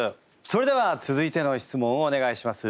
それでは続いての質問をお願いします。